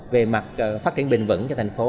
về mặt phát triển bình vẩn cho thành phố